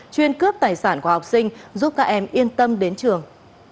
chuyên cướp tài sản của học sinh giúp các em yên tâm đến trường